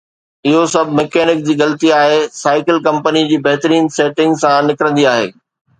اهو سڀ مکينڪ جي غلطي آهي، سائيڪل ڪمپني جي بهترين سيٽنگ سان نڪرندي آهي